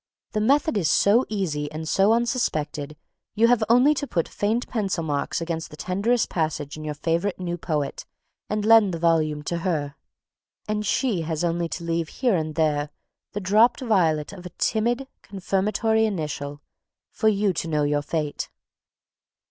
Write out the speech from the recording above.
"The method is so easy and so unsuspect. You have only to put faint pencil marks against the tenderest passages in your favourite new poet, and lend the volume to Her, and She has only to leave here and there the dropped violet of a timid, confirmatory initial, for you to know your fate."